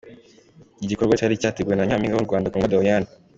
Iki gikorwa cyari cyateguwe na Nyampinga w’u Rwanda Kundwa Doriane.